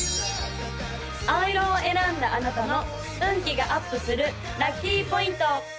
青色を選んだあなたの運気がアップするラッキーポイント！